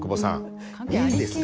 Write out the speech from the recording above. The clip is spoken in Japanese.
いいですか？